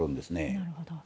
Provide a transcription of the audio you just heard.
なるほど。